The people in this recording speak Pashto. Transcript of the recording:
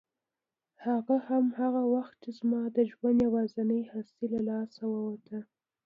هغه هم هغه وخت چې زما د ژوند یوازینۍ هستي له لاسه ووتله.